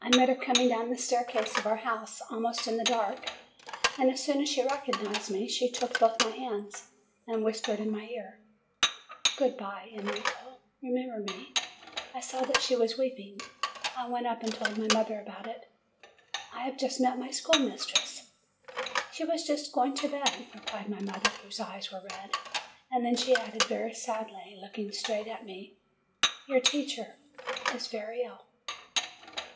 I met her coming down the staircase of our house, almost in the dark, and, as soon as she recognized me, she took both my hands, and whispered in my ear, "Good bye, Enrico; remember me!" I saw that she was weeping. I went up and told my mother about it. "I have just met my schoolmistress/' "She was just going to bed," replied my mother, whose eyes were red. And then she added very sadly, looking straight at me, "Your poor teacher is very ill."